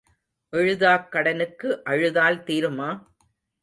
எழுதாக் கடனுக்கு அழுதால் தீருமா?